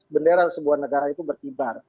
bendera sebuah negara itu berkibar